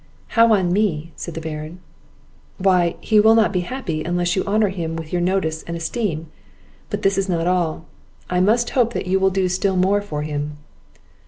"How on me?" said the Baron. "Why, he will not be happy unless you honour him with your notice and esteem; but this is not all, I must hope that you will do still more for him."